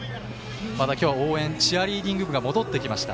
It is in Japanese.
また今日は応援チアリーディング部が戻ってきました。